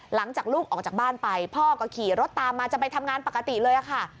หลังจากลูกออกจากบ้านไปพ่อก็ขี่รถตามมาจะไปทำงานปกติเลยค่ะ